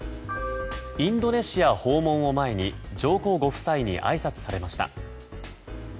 インドネシア訪問を前に上皇ご夫妻にあいさつされました。